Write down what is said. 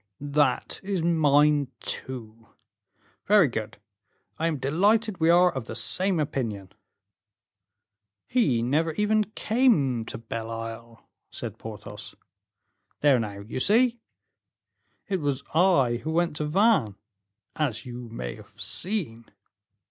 "That is mine, too." "Very good; I am delighted we are of the same opinion." "He never even came to Belle Isle," said Porthos. "There now, you see." "It was I who went to Vannes, as you may have seen."